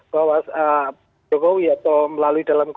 bahwa jokowi atau melalui dalam